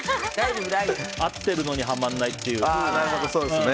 合ってるのにはまらないっていう。